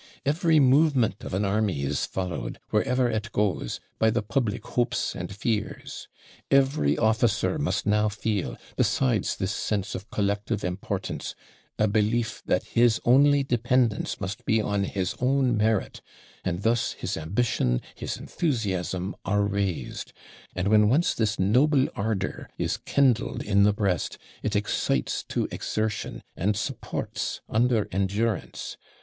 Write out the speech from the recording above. Every movement of an army is followed, wherever it goes, by the public hopes and fears. Every officer must now feel, besides this sense of collective importance, a belief that his only dependence must be on his own merit and thus his ambition, his enthusiasm, are raised; and when once this noble ardour is kindled in the breast, it excites to exertion, and supports under endurance.